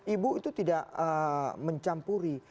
ibu itu tidak mencampuri